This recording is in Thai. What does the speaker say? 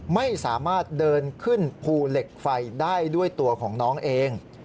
ไม่สามารถเดินขึ้นภูเหล็กไฟได้ด้วยตัวของน้องเอง